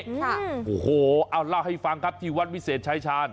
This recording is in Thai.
ค่ะโอ้โหเอาเล่าให้ฟังครับที่วัดวิเศษชายชาญ